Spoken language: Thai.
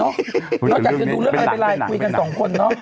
นอกจากจะดูเรื่องอะไรไปไลน์คุยกันสองคนเนาะ